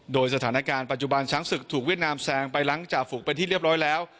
โดยสถานการณ์ปัจจุบันช้างศึกถูกเวียดนามแซงไปหลังจากฝึกเป็นที่เรียบร้อยแล้ว